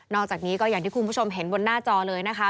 อกจากนี้ก็อย่างที่คุณผู้ชมเห็นบนหน้าจอเลยนะคะ